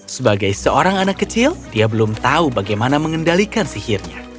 sebagai seorang anak kecil dia belum tahu bagaimana mengendalikan sihirnya